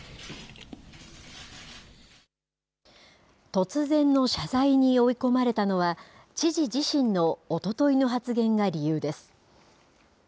突然の謝罪に追い込まれたのは、知事自身のおとといの発言が理由です。